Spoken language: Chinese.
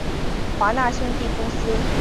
华纳兄弟公司参与制作与发行。